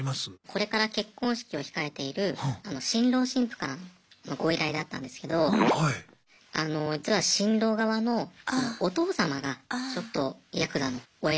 これから結婚式を控えている新郎新婦からのご依頼だったんですけどあの実は新郎側のお父様がちょっとヤクザのお偉